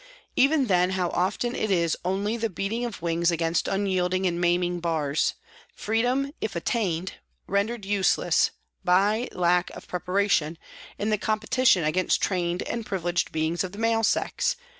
Even then how often it is only the beating of wings against unyielding and maiming bars ; free dom, if attained, rendered useless by lack of prepara tion in the competition against trained and privi leged beings of the male sex.